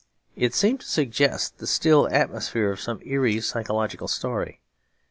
It seemed to suggest the still atmosphere of some eerie psychological story.